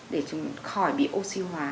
để chúng khỏi bị oxy hóa